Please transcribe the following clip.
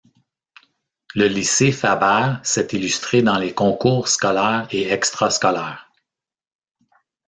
Le lycée Fabert s’est illustré dans les concours scolaires et extra-scolaires.